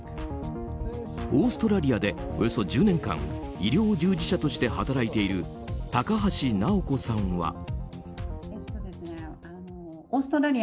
オーストラリアでおよそ１０年間医療従事者として働いている高橋奈央子さんは。